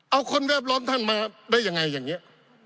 เอาคนแวบล้อมท่านมาได้ยังไงอย่างนี้